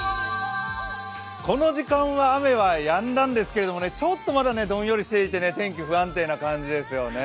この時間は雨はやんだんですけどちょっとまだどんよりしていて天気、不安定な感じですよね。